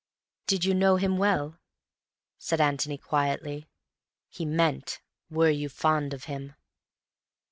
"Did you know him well?" said Antony quietly. He meant, "Were you fond of him?"